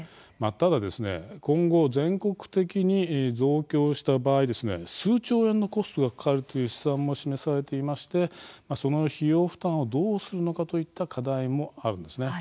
ただ今後全国的に増強した場合数兆円のコストがかかるという試算も示されていましてその費用負担をどうするのかといった課題もあるんですね。